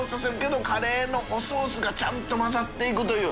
韻カレーのおソースがちゃんと混ざっていくという。